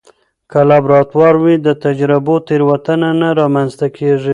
که لابراتوار وي، د تجربو تېروتنه نه رامنځته کېږي.